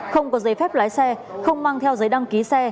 không có giấy phép lái xe không mang theo giấy đăng ký xe